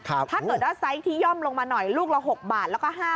ถ้าเกิดว่าไซส์ที่ย่อมลงมาหน่อยลูกละ๖บาทแล้วก็๕๐